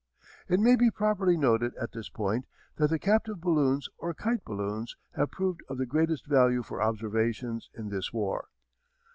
] It may be properly noted at this point that the captive balloons or kite balloons have proved of the greatest value for observations in this war.